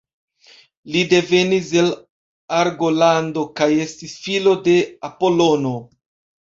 Li devenis el Argolando kaj estis filo de Apolono.